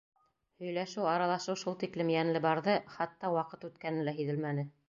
Һөйләшеү, аралашыу шул тиклем йәнле барҙы, хатта ваҡыт үткәне лә һиҙелмәне.